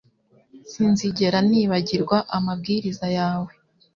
Sinzigera nibagirwa amabwiriza yawe